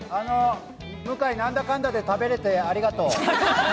向井、何だかんだで食べれたんで、ありがとう。